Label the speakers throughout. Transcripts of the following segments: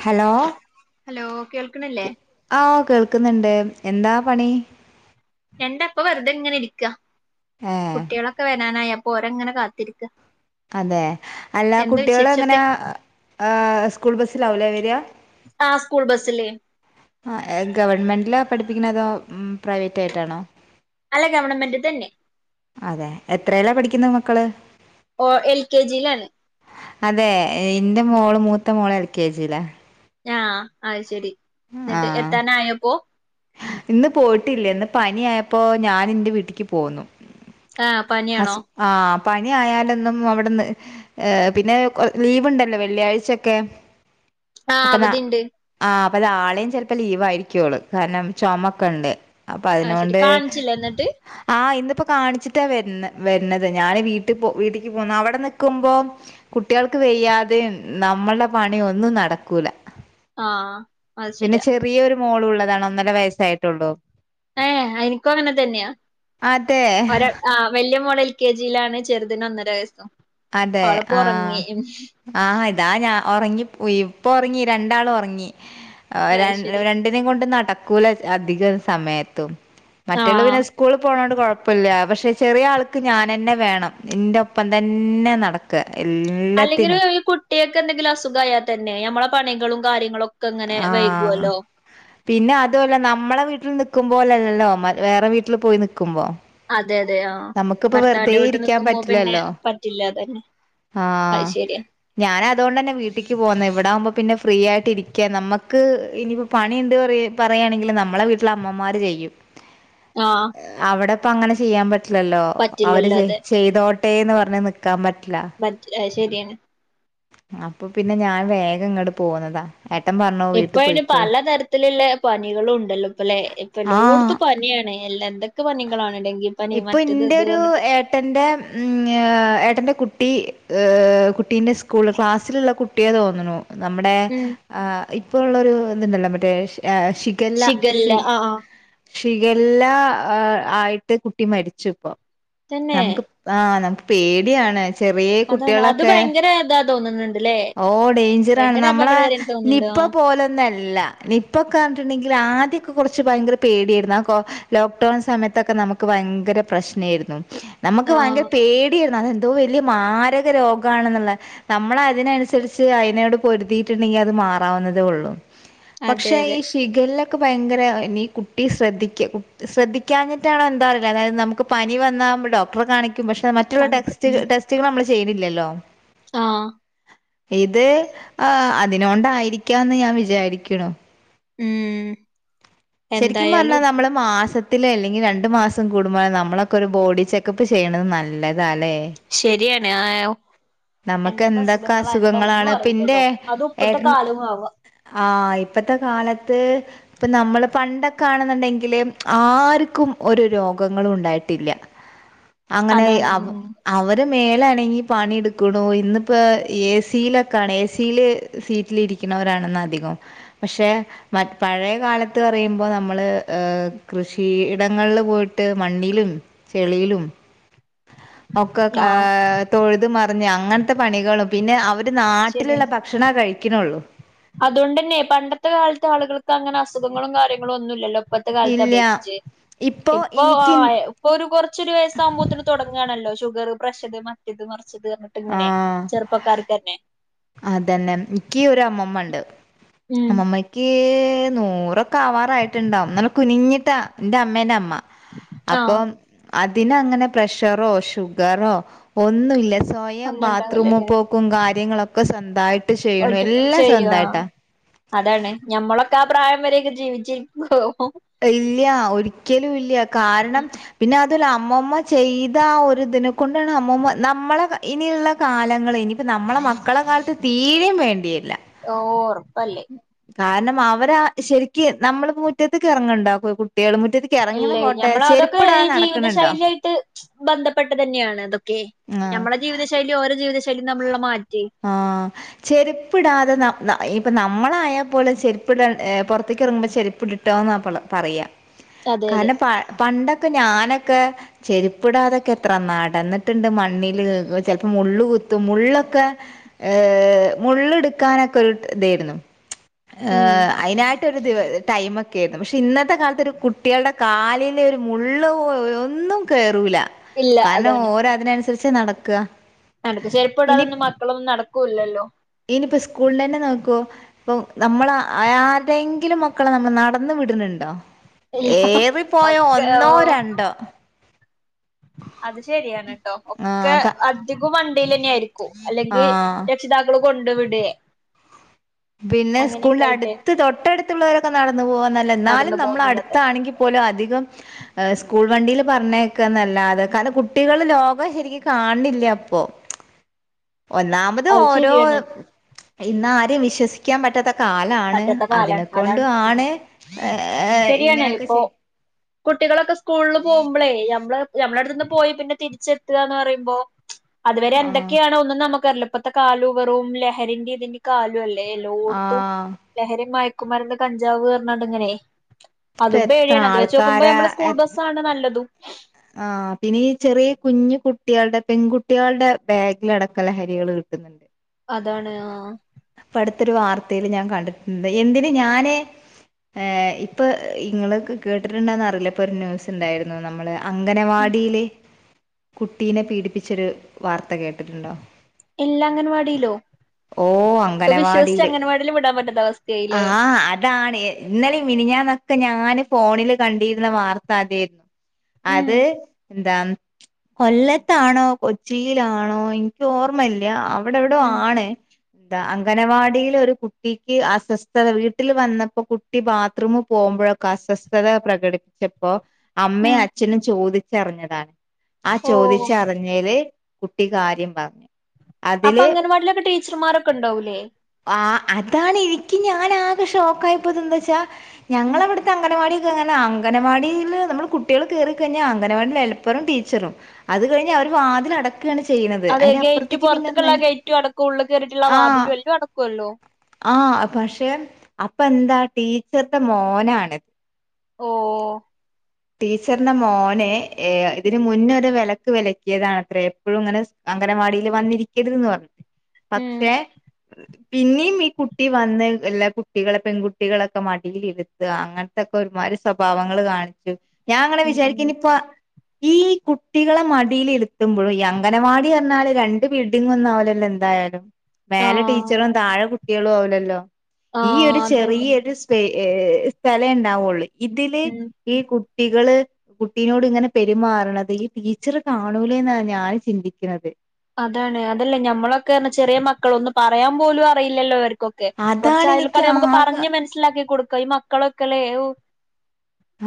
Speaker 1: Hello
Speaker 2: hello കേൾക്കണില്ലേ
Speaker 1: ആ കേൾക്കുന്നുണ്ട് എന്താ പണി
Speaker 2: എന്താ ഇപ്പൊ വെറുതെ ഇങ്ങനെ ഇരിക്ക
Speaker 1: ഏ
Speaker 2: കുട്ടികളൊക്കെ വരാനായ പോരങ്ങനെ കാത്തിരിക്ക
Speaker 1: അതെ അല്ലാ
Speaker 2: എന്താ
Speaker 1: കുട്ടികൾ എങ്ങനെ
Speaker 2: വിശേഷൊക്കെ
Speaker 1: ആ സ്കൂൾ ബസ്സിലാവൂലേ വരാ?
Speaker 2: ആ സ്കൂൾ ബസ്സില്
Speaker 1: ആ ഗവൺമെന്റിലാ പഠിപ്പിക്കണ അതോ പ്രൈവറ്റ് ആയിട്ടാണോ?
Speaker 2: അല്ല ഗവൺമെന്റ് തന്നെ
Speaker 1: എത്രലാ പഠിക്കുന്നത് മക്കള്?
Speaker 2: ഓ എൽ കെ ജിലാണ്
Speaker 1: അതെ ഇന്റെ മോള് മൂത്ത മോള് എൽ കെ ജിലാ
Speaker 2: ആ അത് ശരി
Speaker 1: ആ
Speaker 2: എന്നിട്ട് എത്താനായപ്പോ?
Speaker 1: ഇന്ന് പോയിട്ടില്ല ഇന്ന് പനി ആയപ്പോ ഞാൻ ഇന്റെ വീട്ടിക്ക് പോന്നു
Speaker 2: ആ പനിയാണോ?
Speaker 1: ഹസ് ആ പനി ആയാലൊന്നും അവിട്ന്ന് ഏ പിന്നെ ലീവ് ഉണ്ടല്ലോ വെള്ളിയാഴ്ചൊക്കെ
Speaker 2: ആ
Speaker 1: അപ്പൊ നാ
Speaker 2: അവധിണ്ട്
Speaker 1: ആഹ് അപ്പൊ അത് നാളെയും ചിലപ്പോ ലീവായിരിക്കോള് കാരണം ചുമക്ക ഇണ്ട് അപ്പൊ
Speaker 2: അത് ശരി
Speaker 1: അതിനൊണ്ട്
Speaker 2: കാണിച്ചില്ല എന്നിട്ട്
Speaker 1: ആ ഇ ഇപ്പൊ കാണിച്ചിട്ടാ വരുന്നെ വരുന്നത് ഞൻ വീട്ട് വീട്ടിക്ക് പോന്നു അവിടെ നിക്കുമ്പോ കുട്ട്യാൾക്ക് വെയ്യാതെ നമ്മള പണി ഒന്നും നടക്കൂല
Speaker 2: ആ അത്
Speaker 1: പിന്നെ
Speaker 2: ശരിയാ
Speaker 1: ചെറിയൊരു മോളുള്ളതാണ് ഒന്നര വയസ്സായിട്ടുള്ളൂ
Speaker 2: ഏ എനിക്കും അങ്ങനെ തന്നെയാ
Speaker 1: അതെ
Speaker 2: ഒരാ ആ വലിയ മോള് എൽ കെ ജിയിലാണ് ചെറുതിന് ഒന്നര വയസ്
Speaker 1: അതെ ആ ആ ഇതാ ഞാ ഉറങ്ങി ഇപ്പോ ഉറങ്ങി രണ്ടാളും ഉറങ്ങി ര
Speaker 2: അത് ശരി
Speaker 1: രണ്ടിനേും കൊണ്ട് നട ക്കൂല അധികം സമയത്തും
Speaker 2: ആ
Speaker 1: മറ്റോള് പിന്നെ സ്കൂള് പോണോണ്ട് കുഴപ്പല്ല്യാ പക്ഷെ ചെറിയ ആൾക്ക് ഞാനന്നെ വേണം എന്റെ ഒപ്പം തന്നെ നടക്ക എല്ലത്തിനും
Speaker 2: കുട്ടിയേക്കെന്തെങ്കിലും അസുഖായാൽ തന്നെ നമ്മളെ പണികളും കാര്യങ്ങളും ഒക്കെ
Speaker 1: ആ പിന്നെ അതോലെ നമ്മളെ വീ ട്ടിൽ നിക്കുമ്പോലല്ലല്ലോ വേറെ വീട്ടിൽ പോയി നിക്കുമ്പോ
Speaker 2: അതെ അതെ ആ
Speaker 1: നമുക്കിപ്പോ വെറുതെ
Speaker 2: ഭർത്താവിന്റെ വീട്ട്
Speaker 1: ഇരിക്കാൻ
Speaker 2: നിക്കുമ്പോ പിന്നെ പറ്റില്ല അതന്നെ
Speaker 1: ആ
Speaker 2: അത് ശരിയാ
Speaker 1: ഞാൻ അതോണ്ടന്നെ വീട്ടീക്ക് പോന്നെ ഇവിട ആകുമ്പോ പിന്നെ ഫ്രീ ആയിട്ട് ഇരിക്കാ നമ്മക്ക് നമ്മക്ക് ഇനിയിപ്പോ പണി ഉണ്ട് പറ പറയാണെങ്കിലും നമ്മളെ വീട്ടിലമ്മമാര് ചെയ്യും
Speaker 2: ആഹ്
Speaker 1: അവിടെപ്പ അങ്ങനെ ചെയ്യാൻ പറ്റില്ലല്ലോ അവര്
Speaker 2: പറ്റില്ലല്ലോ
Speaker 1: ചെയ്തോ ട്ടേന്ന് പറഞ്ഞ് നിക്കാൻ പറ്റ
Speaker 2: പറ്റില്ല അത് ശരിയാ
Speaker 1: അപ്പൊ പിന്നെ ഞാൻ വേഗം ഇങ്ങട്ട് പോന്നതാ ഏട്ടൻ പറഞ്ഞു
Speaker 2: ഇപ്പ
Speaker 1: വീട്ടിൽ
Speaker 2: അയ്ന്
Speaker 1: പോയിക്കോ
Speaker 2: പലതരത്തിലുള്ള പനികളുണ്ട് ഇപ്പല്ലെ ഇപ്പൊ
Speaker 1: ആഹ്
Speaker 2: എല്ലോട്ത്തും പനിയാണ് എല്ല എന്തൊക്കെ പനികാണ്
Speaker 1: ഇപ്പൊ ഇന്റെരു ഏട്ടന്റെ ഉം ഏട്ടന്റെ കുട്ടി ട്ടി ങ് കുട്ടീന്റെ സ്കൂള് ക്ലാസ്സില്ള്ള കുട്ടിയാ തോന്നുണു ന്നമ്മ്ടേ
Speaker 2: ഉം
Speaker 1: ആ ഇപ്പോ ഉള്ള ഒരു ത് ണ്ടല്ലോ മറ്റേ ഷ് ഷികല്ല
Speaker 2: ഷിഗല്ല
Speaker 1: ഷി
Speaker 2: ആഹ് ആഹ്
Speaker 1: ഷികല്ലാ ആ ആയിട്ട് കുട്ടി മരിച്ചു പ്പം
Speaker 2: തന്നെ
Speaker 1: അമുക്ക് പ് ആ ന്നമ് പേടി ആണ് ചെറീഏ
Speaker 2: അതാണ് അത്
Speaker 1: കുട്ടിഏളൊക്കെ
Speaker 2: ഭയങ്കര ഇതാ തോന്നുന്നുണ്ട്ല്ലേ
Speaker 1: ഓ ഡെയ്ഞ്ചറാണ്
Speaker 2: ഭയങ്കര
Speaker 1: ന്നമ്മ്ളെ
Speaker 2: അപകടകാരിയായിട്ട് തോന്നുന്നുണ്ട്
Speaker 1: നിപ്
Speaker 2: ആഹ്
Speaker 1: പ്പ പോലൊന്നു എല്ല നിപ്പൊ ക്കാർഞിട്ട്ണ്ടെങ്കി ങ്കിലാദ്യ ഒക്ക കൊർച്ച് ഭയങ്കര പേടിആയ്രുന്നു ആ കോ ലോക്ക്ഡൗൺ സമയ്ത്തൊക്കെ ന്നമു ക്ക് ഭയങ്കര പ്രശ്നേര്ന്നു ന്നമുക്ക് വയങ്കര
Speaker 2: ആഹ്
Speaker 1: പേടിയാര്ന്നു അതെ ന്തോ വെല്ല്യ മാരക രോഗാണെന്ന്ള്ള ന്നമ്മള അതിനനുസരിച്ച് അയ്നോട് പൊരുതീട്ട്ണ്ടെങ്കില് അത് മാ മാറാവ്ന്നതേ ഒള്ളൂ
Speaker 2: അതെ അതെ
Speaker 1: ക്ക് ഭയങ്കര നി കുട്ടി ശ്രദ്ധിക്യ കു ശ്രദ്ധിക്കാഞിട്ടാണോ എൻ ന്താ അറീല അതായത് ന്നമുക്ക് പനി വന്നാ അമ് ഡോക്ടറെ കാണിക്കും പക്ഷെ മറ്റുള്ള
Speaker 2: കാണിക്കും
Speaker 1: ടെസ്റ്റ് ടെസ്റ്റ്കള് അമ്മ്ള് ച് ചെയ്ന്ല്ലല്ലോ
Speaker 2: ആ
Speaker 1: ഇത് ആ അതിനോണ്ടായിരിക്കാന്ന് ഞാൻ വിചാരിക്ക്ണു
Speaker 2: ഉം
Speaker 1: ശെരിക്കും പർഞ്ഞാ
Speaker 2: എന്തായാലും
Speaker 1: ന്നമ്മള് മാസത് ത്തിലെ എല്ലെങ്കി രണ്ട് മാസം കൂടുമ്പളോ ന്നമ്മളൊക്ക ഒര് ബോഡി ചെക്കപ്പ് ചെയ്യ്ണത് നല്ലത്
Speaker 2: ശെരിയാണ് ആ എ ഒ
Speaker 1: നമുക്ക്
Speaker 2: എന്തൊക്ക
Speaker 1: എന്തൊക്കെ
Speaker 2: അസുഖങ്ങളാ എന്താ ഒന്നും
Speaker 1: അസുഖങ്ങളാണ്
Speaker 2: അറിയില്ലല്ലോ അതും ഇപ്പത്തെ കാലവു ആവ്അ
Speaker 1: ആ ഇപ്പത്ത കാലത്ത് ഇപ്പം ന്നമ്മള് പണ്ടൊക്ക ആണെന്ന്ണ്ടെങ്കില് ആർക്കും ഒര് രോഗങ്ങളു ണ്ടായ്ട്ടില്ല അങ്ങനേയ്
Speaker 2: അതാണ്
Speaker 1: അവ്
Speaker 2: ഉം
Speaker 1: അവര് മേലഅനങി പണി ഇട്ക്ക്ണു ഇന്ന് പ്പോ എ സി യിലൊക്കാണ് എ സി ല് സീറ്റിലിരിക്ക്ൻ ന്നവരാണ് ന്ന് അധികം പക്ഷെ മറ്റ് പഴയ കാലത്ത് പറയുമ്പോ ന്നമ്മള് കൃഷ് ഷീ ടങ്ങൾള് പോയിട്ട് മണ്ണിലും ചെളിയിലും ഒക്കെ ആ
Speaker 2: ആഹ്
Speaker 1: തൊഴുത് മറിഞ്ഞ് അങ്ങൻത്ത പണികളും പിന്നെ അവ് ര് ന്നാട്ടില്ള്ള ഭക്ഷണാ കഴിക്ക്ണൊള്ളൂ
Speaker 2: അതോണ്ട് എന്നെ പണ്ടത്തെ കാൽത്തെ ആളുകൾക്ക് അങ്ങനെ അസുഖങ്ങളും കാര്യങ്ങളും ഒന്നുല്ലല്ലോ ഇപ്പത്ത കാലത്തെ
Speaker 1: ഇല്ല
Speaker 2: അബേക്ഷിച്ച് ഇപ്പൊ ആ ഇപ്പൊ ഒരു കൊർച്ചൊരു വയസ്സാഉമ്പോത്തിന് തൊട്ങ്ങാണല്ലോ ഷു ഗർ പ്രഷറ് മറ്റത് മർച്ചത് അർഞിട്ട്
Speaker 1: ആ
Speaker 2: ങ്ങനെ ചെർപ്പക്കാർക്കെന്നെ
Speaker 1: അതന്നെ ഇക്കി ഒര് അമ്മമ്മ ണ്ട്
Speaker 2: ഉം
Speaker 1: അമ്മമ്മക്കീ ന്നൂറൊക്കെ ആവാറായിട്ട്ണ്ടാഉം ന്നല്ല കുനിഞ്ഞിട്ടാ ന്റെ അമ്മേന്റെ അമ്മ
Speaker 2: ആഹ്
Speaker 1: അപ്പം അതിനങ്ങന പ്രഷറോ ഷുഗറോ ഒന്നു ല്ല സ് സ്വയം
Speaker 2: ഒന്നും
Speaker 1: ബാത്റൂമ്
Speaker 2: ഉണ്ടാവൂലല്ലേ
Speaker 1: പോക്കും കാര്യങ്ങളൊക് ഒക്കെ സ്വന്തായിട്ട് ചെയ്യ്ണു
Speaker 2: ഒറ്റ
Speaker 1: എല്ലം
Speaker 2: ചെയ്യും
Speaker 1: സ്വന്തായ്ട്ടാ-
Speaker 2: ക്കാ പ്രായം വരേക്കും ജീവിച്ചിരിക്വോ ഓ-
Speaker 1: ഇല്ലൃ ഒരിക്കലും ഇല്ലൃ കാരണം പിന്നാ ത്ത്ലാ അമ്മൂമ ചെയ്ത ആ ഒരു ത് ന കൊണ്ടാണ് അമ്മൂമ ന്നമ്മളെ ക ഇനിയുള്ള കാലങ്ങള് ഇനി പ്പം ന്ന നമ്മള മക്കള കാലത്ത് തീരേം വേണ്ടിഏല-
Speaker 2: ഓ ഒർപ്പല്ലേ-
Speaker 1: കാരണം അവരാ ശെരിക്ക് നമ്മള്പ്പം മുറ്റത്ത്ക്ക് എറങ്ങ്ണ്ടോ കു കുട്ടിള് മുൻ
Speaker 2: ഇല്ലേ ഞമ്മള അതൊക്കെ ഈ ജീവിത
Speaker 1: ണ്ടോ?
Speaker 2: ശൈലിആയിട്ട് ബന്ധപ്പെട്ട് തന്നെയാണ് അതൊക്കെ- ഞമ്മളെ
Speaker 1: ആഹ്
Speaker 2: ജീവിതശൈലിം ഓല ജീവിത ശൈ
Speaker 1: ആഹ് ചെരിപ്പ്ടാതെ ന നായി ഇപ്പം ന്നമ്മള ആയ പോലും ചെരിപ്പിടാ ഏ പൊർത്ത്ക്ക് ഇറങ്ങുമ്പോ ചെര്പ്പ്ട് ട്ടോ ന്നപള് പറയ്യാ-
Speaker 2: അതെ അതെ
Speaker 1: കാര്ണം പാ പണ്ടൊക്ക ഞാനൊക്ക ചെരുപ്പിടാതൊക്കെ എത്ര നടന്നിട്ട്ണ്ട് മണ്ണില് ചെൽപ്പം മു മുള്ള് കുത്തും മുള്ളൊക്കെ ഏഹ് മുള്ള് ഇട്ക്കാനൊക്കെ ഒര് തേര്ന്നു
Speaker 2: ഉം
Speaker 1: ആഹ് അയിനാട്ട ടൈമൊക്കെ ആയിരുന്നു പക്ഷെ ഇന്നത്തെ കാലത്ത് ഒരു കുട്ടികളുടെ കാലിലൊരു മുള്ള് ഒ ന്നും കേറൂല
Speaker 2: ഇല്ല
Speaker 1: കാരണം ഓര് അതിനനുസരിച്ച് നടക്കുക
Speaker 2: ചെരിപ്പ് ഇടാതൊന്നും മക്കളൊന്നും നടക്കൂല്ലല്ലോ
Speaker 1: ഇനിപ്പോ സ്കൂളിൽ തന്നെ നോക്കുവോ ഇപ്പൊ നമ്മള് ആർടെയെങ്കിലും മക്കള് നമ്മള് നടന്നു വിടുന്നു ണ്ടോ
Speaker 2: ഇല്ല
Speaker 1: ഏറി പോയോ
Speaker 2: ഒക്കെ
Speaker 1: ഒന്നോ
Speaker 2: ഓ
Speaker 1: രണ്ടോ
Speaker 2: അത് ശരിയാണ്ട്ടോ
Speaker 1: ആ
Speaker 2: ഒക്കെ
Speaker 1: ക
Speaker 2: അധികം വ ലന്നെ ആരിക്കോ
Speaker 1: ആ
Speaker 2: അല്ലെങ്കിൽ രക്ഷിതാക്കള് കൊണ്ട് വിടേ
Speaker 1: പിന്നെ
Speaker 2: അങ്ങനെയൊക്കെ ആയിട്ട്
Speaker 1: സ്കൂളിൻ്റടുത്ത് തൊട്ടടുത്തുള്ളവരൊക്കെ നടന്ന് പോക്ന്നല്ല എന്നാലും
Speaker 2: നടന്നു
Speaker 1: നമ്മള
Speaker 2: പോകുന്നല്ലാതെ
Speaker 1: അടുത്താണെങ്കി പോല അധികം സ് സ്കൂൾ വണ്ടില് പറഞ്ഞേക്കന്നല്ലാതെ കാരണം കുട്ടികള് ലോകം ശെരിക്കും കാണില്ല ഇപ്പം ഒന്നാമത്
Speaker 2: അത്
Speaker 1: ഓരോ
Speaker 2: ശരിയാണ്
Speaker 1: ഇന്ന് ആരേം വിശ്വസിക്കാൻ പറ്റാത്ത കാലാണ്
Speaker 2: പറ്റത്തെ
Speaker 1: അതിനെ
Speaker 2: കാലാണ്
Speaker 1: കൊണ്ടും
Speaker 2: അതാണ്
Speaker 1: ആണ് ഏഹ്
Speaker 2: ശരിയാണ്
Speaker 1: ഇങ്ങനെയൊക്കെ
Speaker 2: ഇപ്പൊ
Speaker 1: ചെയ
Speaker 2: കുട്ടികളൊക്കെ സ്കൂൾല് പോകുമ്പളേ അമ്മള് ഞമ്മുടെ അടുത്ത്ന്ന് പോയി പിന്നെ തിരിച്ചെത്തുക എന്ന് പറയുമ്പോ അതുവരെ
Speaker 1: ആഹ്
Speaker 2: എന്തൊക്കെയാണോ ഒന്നും നമുക്ക് അറില്ലപ്പത്തെ കാലും വെറും ലഹരിന്റെ ഇതിന്റെ കാലും അല്ല ടേ എല്ലോടുത്തും
Speaker 1: ആഹ്
Speaker 2: മയക്കുമരുന്ന് കഞ്ചാവ് [unintelligible] ഇങ്ങനെ
Speaker 1: ഇപ്പ
Speaker 2: അതും
Speaker 1: എത്ര
Speaker 2: പേടിയാണ് അത് വെച്ച് നോക്കുമ്പോ
Speaker 1: ആൾക്കാരാ
Speaker 2: മ്മള് സ്കൂൾ
Speaker 1: എ
Speaker 2: ബസ്സാണ് നല്ലതും
Speaker 1: ആഹ് പിന്നെ ഈ ചെറിയ കുഞ്ഞു കുട്ടികളുടെ പെൺകുട്ടികളുടെ ബാഗിൽ അടക്ക ലഹരികള് കിട്ടുന്നുണ്ട്
Speaker 2: അതാണ് ആഹ്
Speaker 1: ഇപ്പ അടുത്തൊരു വാർത്തയില് ഞാൻ കണ്ടിട്ടുണ്ട് എന്തിന് ഞാന് ഏഹ് ഇപ്പൊ ഇങ്ങള് കേട്ടിട്ടുണ്ടന്ന് അറിയില്ല ഇപ്പൊ ഒരു ന്യൂസ് ഉണ്ടായിരുന്നു. നമ്മള്
Speaker 2: ഉം
Speaker 1: അംഗനവാടിയില് കുട്ടീനെ പീഡിപ്പിച്ചൊരു വാർത്ത കേട്ടിട്ടുണ്ടോ?
Speaker 2: ഇല്ല അംഗൻവാടിയിലോ?
Speaker 1: ഓഹ്
Speaker 2: ഇപ്പൊ വിശ്വസിച്ച
Speaker 1: അംഗനവാടിയില്
Speaker 2: അംഗൻവാടിയിലും വിടാൻ പറ്റത്ത അവസ്ഥയായില്ലേ.
Speaker 1: ആഹ് അതാണ് ഇന്നലും മിനഞ്ഞന്നൊക്കെ ഞാന് ഫോണില് കണ്ടിരുന്ന വാർത്ത അതെര്ന്നു.
Speaker 2: ഉം
Speaker 1: അത് എന്താ കൊല്ലത്താണോ കൊച്ചിയിലാണോ ഇൻക്ക് ഓർമ്മയില്ല. ഇവടെ എവിടോ
Speaker 2: ഉം
Speaker 1: ആണ്. എന്താ അംഗനവാടിൽ ഒരു കുട്ടിക്ക് അസ്വസ്ഥത. വീട്ടിൽ വന്നപ്പോ കുട്ടി ബാത്റൂം പോ പോകുമ്പോഴൊക്കെ അസ്വസ്ഥത പ്രകടിപ്പിച്ചപ്പോ അമ്മയും
Speaker 2: ഉം
Speaker 1: അച്ഛനും ചോദിച്ചറിഞ്ഞതാ. ആ
Speaker 2: ഓ
Speaker 1: ചോദിച്ചറിഞ്ഞേല് കുട്ടി കാര്യം പറഞ്ഞു.
Speaker 2: അപ്പൊ
Speaker 1: അതില്
Speaker 2: അംഗൻവാടിലൊക്കെ ടീച്ചർമാരൊക്കെ ഉണ്ടാവൂല്ലേ?
Speaker 1: ആ അതാണ് എനിക്ക് ഞാൻ ആകെ ഷോക്ക ആപ്പോത് എന്താ വെച്ചാ
Speaker 2: ഉം
Speaker 1: ഞങ്ങള അവിടുത്തെ അങ്കൻവാടി അങ്ങനെ അംഗനവാടിൽ നമ്മൾ കുട്ടികൾക്ക് ക കഴിഞ്ഞൽ അങ്കനവാെ ഹെപ്പറ ടീച്ചറും അത് കഴിഞ്ഞ അവ വാതിട ാണ് ചെയ്യുന്നത്
Speaker 2: അതെ
Speaker 1: അതിന്റെ
Speaker 2: ഗേറ്റ്
Speaker 1: അപ്പുറത്തേക്ക് പിന്നെ
Speaker 2: പുറത്തേക്കുള്ള
Speaker 1: എന്ത
Speaker 2: ഗേറ്റും അടക്കും ഉള്ളിൽ കേറിയിട്ടുള്ള
Speaker 1: ആ
Speaker 2: വാതിലും എല്ലാം അടക്കുവല്ലോ
Speaker 1: ആഹ പക്ഷെ അപ്പൊ എന്താ ടീച്ചർത്തെ മോനാണിത്
Speaker 2: ഓ
Speaker 1: തീ [unintelligible] ീച്ചറിന്റെ മോനെ ഇതിനന് മുന്നൊരു വിലക്ക് വിലക്കിയതാാണ് അത്ര എപ്പോഴും ഇങ്ങനെ അങ്കനവാടി വന്നിരിക്കരുന്ന് പറഞ്ഞത് പക്ഷേ
Speaker 2: ഉം
Speaker 1: പിന്നീും ഈ കുട്ടി വന്ന് എല്ലാ കുട്ടികളെ പെൺകുട്ടികളൊക്കെ മടിൽെടുത്ത് അങ്ങനത്തെ െ ഒരുമാതിരി സ്വഭാവങ്ങൾ കാണിച്ചു ഞാൻ അങ്ങനെ വിചാരിക്കനി
Speaker 2: ഉം
Speaker 1: ഇപ്പ ഈ കുട്ടികളെ മടിൽ എത്തുമ്പോഴ ഈ അംഗനവാടി പറഞ്ഞാല് രണ്ട് ബിൽഡിംഗ ഒന്നുംാവില്ലല്ലോ എന്തായാലും മേലെ
Speaker 2: ആഹ്
Speaker 1: ടീച്ചറും താഴെ കുട്ടികളും ആവില്ലല്ലോ ഈ
Speaker 2: ആഹ്
Speaker 1: ഒരു
Speaker 2: അതെ അതെ
Speaker 1: ചെറിയൊരു സ്പേ സ്ഥല ഉണ്ടാവുള്ളൂ ഇതില്
Speaker 2: ഉം
Speaker 1: ഈ കു കുട്ടികള് കുട്ടിനോട് ഇങ്ങനെ പെരുമാറത് ഈ ടീച്ചറ് കാണൂലേ എന്നാണ് ഞൻ ചിന്തിക്കുന്നത്
Speaker 2: അതാണ് അതല്ലേ ഞമ്മളൊക്കെ പറ ചെറിയ മക്കള ഒന്നും പറയാൻ പോലും അറിയില്ലല്ലോ അവർക്ക് ക്കെ കുറച്ച
Speaker 1: അതാണ്
Speaker 2: അയൾക്കട
Speaker 1: എനിക്ക്
Speaker 2: നമുക്ക്
Speaker 1: ആകെ
Speaker 2: പറഞ്ഞഞ് മനസ്സിലാക്കി കൊടുക്കാം ഈ മക്കളൊക്കെല്ലേ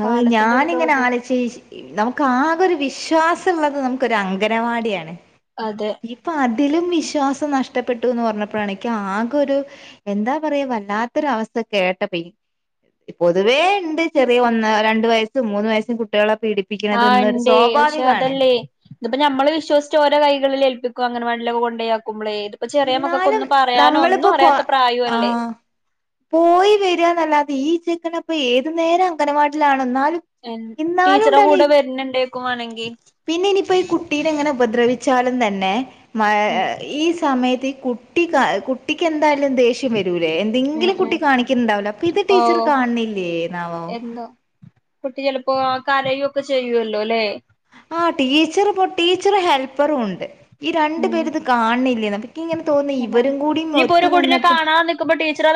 Speaker 1: ആ
Speaker 2: കാലത്തിന്റെ ഒരു
Speaker 1: ഞാനിങ്ങനെ
Speaker 2: ഇത്
Speaker 1: ആലോച നമുക്ക് ആകെ ഒരു വിശ്വാസം ഇള്ളത് നമുക്കൊരു അംഗനവാടിയാണ്
Speaker 2: അതെ
Speaker 1: ഇപ്പ അ അതിലും വിശ്വാസം നഷ്ടപ്പെട്ടു എന്ന് പറഞ്ഞപ്പോഴാണക്ക് ആകെൊ ഒരു എന്താ പറയാുക വല്ലാത്തര അവസ്ഥ കേട്ട പൊതുവേ ഉണ്ട് ചെറിയ ഒന്ന് രണ്ട വയസും മൂന്ന് വയസ്സും കുട്ടികളെ
Speaker 2: ആ
Speaker 1: പീഡിപ്പിക്കണത് ഇന്നൊരു
Speaker 2: ഉണ്ടേ പക്ഷെ
Speaker 1: സ്വാഭാവികമാണ്
Speaker 2: അതല്ലേ ഇതിപ്പോ ഞമ്മള് വിശ്വസച്ച് ഓരോ കൈകളിൽ ഏൽപ്പിക്ക അങ്ങന വണ്ടൊക്ക കൊയാക്കുമ്പോളേ തിപ്പോൊ ചെറിയ മക്കൊക്ക
Speaker 1: എന്നാലും
Speaker 2: ഒന്നും പറയാന ഒന്നും
Speaker 1: നമ്മളിപ്പോ കൊ
Speaker 2: അറിയാത്ത പ്രായ അല്ലേ
Speaker 1: ആഹ് പോയി വരികന്നല്ലാതെ ഈച്ചക്കന അപ്പൊ ഏത് നേരം അങ്കനവാടിലാണ എന്നാൽ
Speaker 2: ടീച്ചറെ കൂടെ വരുന്ന ഉണ്ടേക്കുവാണെങ്കിൽ
Speaker 1: പിന്നെ ഇനിപ്പോ ഈ കുട്ടിൽ എങ്ങനെ ഉപദ്രവിച്ചാലും തന്നെ
Speaker 2: ഉം
Speaker 1: ഈ സമയത്ത് കുട്ട കുട്ടി എന്ത എന്തായാലും ദേഷ്യം വരൂലേ
Speaker 2: ഉം
Speaker 1: എന്തെങ്കിലും
Speaker 2: ഉം
Speaker 1: കുട്ടി കാണിക്കുന്നുണ്ടാവലോ അപ്പൊ ഇത്
Speaker 2: ഓ
Speaker 1: ടീച്ചർ കാണില്ലേ എന്നാവോ
Speaker 2: എന്തോ കുട്ടി ചെിലപ്പോ കരയയും ഒക്കെ ചെയ്യുവല്ലോ അല്ലേ
Speaker 1: ആ ടീച്ചർ ടീച്ചർ ഹെൽപ്പറും ഉണ്ട് ഈ രണ്ടു
Speaker 2: ഉം
Speaker 1: പേര് ഇത് കാണണില്ലേ നക്ക് ഇങ്ങനെ തോന്നുന്നു
Speaker 2: അതാണ്
Speaker 1: ഇവരും കൂടും ഒത്ത നിന്നിട്ട്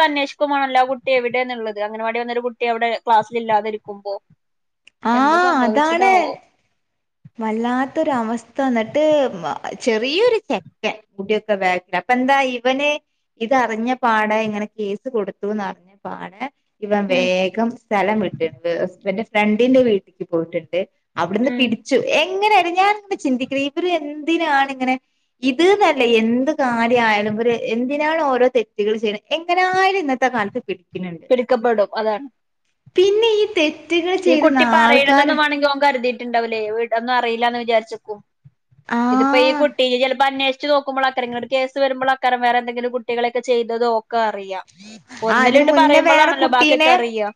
Speaker 2: അന്വേഷിക്കുമാണല്ലോ കുട്ടി എവിടെയന്നുള്ളത് അങ്ങനവാടി വന്നൊരു കുട്ടി അവിടെ ക്ലാസ്സൽില്ലാതിരിക്കുമോ
Speaker 1: ആഹ അതാണ് വല്ലാത്തൊരു അവസ്ഥ വന്നിട്ട് ചെറിയൊരു ചെക്കൻ കൂടിയൊക്കെ വേ എന്താ ഇവനെ ഇതറിഞ്ഞ പാട ഇങ്ങനെ കേസ് കൊടുത്തുന്ന്റിഞ്ഞ പാട് ഇവൻ
Speaker 2: ഉം
Speaker 1: വേഗം സ്ഥലം ഇട്ടി എന്റെ ഫ്രണ്ടിന്റെ വീട്ടിലേക്ക് പോയിട്ടുണ്ട് അവിടുന്ന്
Speaker 2: ഉം
Speaker 1: പിടി എങ്ങനെയ ഞൻ ഇങ്ങനെ ചിന്തിക്ക ഇവര് എന്തിനാണ് ഇങ്ങനെ ഇത്ന്നല്ല എന്ത് കാല ആയാലും എന്തിനാണ് ഓരോ തെറ്റുകൾ ചെയ്യുന്നത് എങ്ങനായാലും ഇന്നത്തെ കാലത്ത് പിടിക്കുന്നുണ്ട്
Speaker 2: പിടിക്കപ്പെടും അതാണ്
Speaker 1: പിന്നെ ഈ തെറ്റ്
Speaker 2: ഈ കുട്ടി പറയണന്ന വേമെങ്കിൽ അവ കരുതിയിട്ട് ണ്ടാവലേ ഒന്നും അറിയില്ല എന്ന് വിചാരിോ ഇതിപ്പോൊ ഈ
Speaker 1: ആഹ്
Speaker 2: കുട്ടി ചപ്പോ അവേഷ വ നോക്കുമോൾക്കങ്ങ കേസ് വരുമ്പോ അക്കാരം വേറെന്തങ്കിലും കുികളക്കെ ചെയ്തോ
Speaker 1: ആ ഇതിനന് മുന്നേ വേറെ
Speaker 2: പറയുമ്പോഴാണല്ലോ
Speaker 1: കുട്ടീനെ
Speaker 2: ബാക്കിയൊക്കെ അറിയാ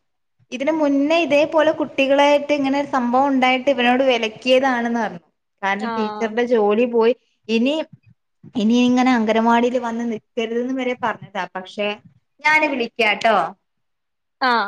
Speaker 1: ഇതിനന് മുന്നേ ഇത് പോലെ കുട്ടികളായിട്ട് ഇങ്ങനെ സംഭവം ഉണ്ടായിട്ട് ഇവനോട് വിലക്കിയതാണെന്ന് പറഞ്ഞു കാരണം
Speaker 2: ആഹ്
Speaker 1: ടീച്ചറിന്റെ ജോലി പോയി ഇനി ഇനി ഇങ്ങനെ അംഗനവാടിയിൽ വന്ന് നിൽക്കരുത്ന്ന് വരെ പറഞ്ഞതാ പക്ഷെ ഞാന് വിളിക്കാട്ടോ
Speaker 2: ആഹ